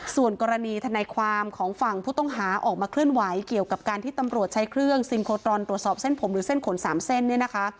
ส่วนกรณีทนายความของฝั่งผู้ต้องหาออกมาเคลื่อนไหวเกี่ยวกับการที่ตำรวจใช้เครื่องซินโคตรอนตรวจสอบเส้นผมหรือเส้นขน๓เส้นเนี่ยนะคะ